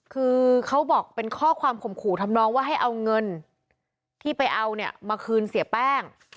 คือเขาบอกเป็นข้อความข่มขู่ทำนองว่าให้เอาเงินที่ไปเอาเนี่ยมาคืนเสียแป้ง